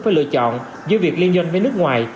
phải lựa chọn dưới việc liên doanh với nước ngoài